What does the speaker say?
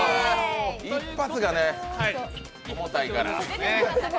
一発がね、重たいから。